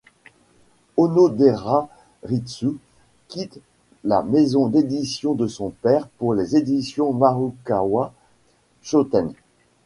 Onodera Ritsu quitte la maison d'édition de son père pour les éditions Marukawa Shoten.